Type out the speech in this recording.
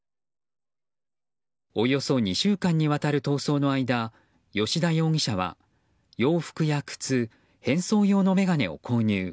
およそ２週間にわたる逃走の間葭田容疑者は洋服や靴変装用の眼鏡を購入。